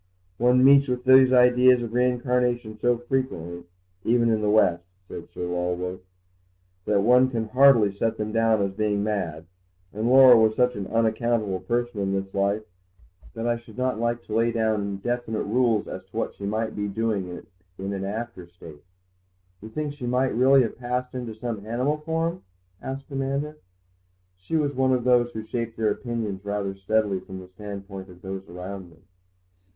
"One meets with those ideas of reincarnation so frequently, even in the West," said Sir Lulworth, "that one can hardly set them down as being mad. And Laura was such an unaccountable person in this life that I should not like to lay down definite rules as to what she might be doing in an after state." "You think she really might have passed into some animal form?" asked Amanda. She was one of those who shape their opinions rather readily from the standpoint of those around them.